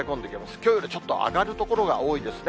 きょうよりちょっと上がる所が多いですね。